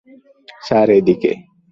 Sir, এইদিকে।